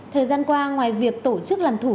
thời gian qua ngoài việc tổ chức làm thủ